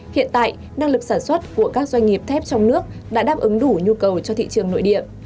hiện tại năng lực sản xuất của các doanh nghiệp thép trong nước đã đáp ứng đủ nhu cầu cho thị trường nội địa